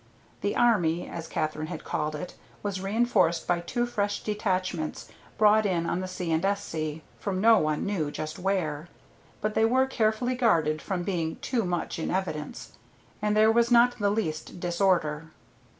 The army, as Katherine had called it, was reenforced by two fresh detachments brought in on the C. & S.C. from no one knew just where, but they were carefully guarded from being too much in evidence, and there was not the least disorder.